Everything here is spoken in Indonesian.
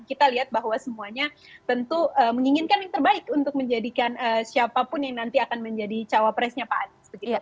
kita lihat bahwa semuanya tentu menginginkan yang terbaik untuk menjadikan siapapun yang nanti akan menjadi cawapresnya pak anies